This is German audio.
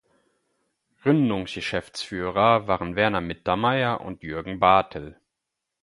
Gründungsgeschäftsführer waren Werner Mittermaier und Jürgen Bartel.